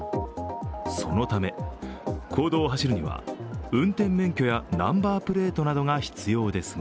そのため公道を走るには、運転免許やナンバープレートなどが必要ですが